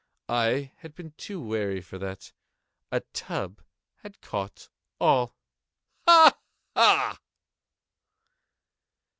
I had been too wary for that. A tub had caught all—ha! ha!